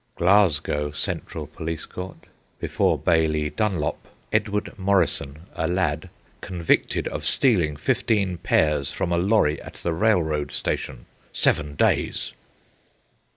Glasgow Central Police Court. Before Bailie Dunlop. Edward Morrison, a lad, convicted of stealing fifteen pears from a lorry at the railroad station. Seven days.